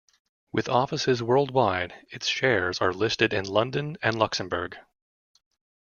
With offices worldwide, its shares are listed in London and Luxembourg.